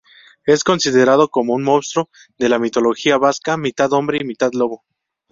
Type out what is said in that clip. Es considerado como un monstruo de la mitología vasca, mitad hombre y mitad lobo.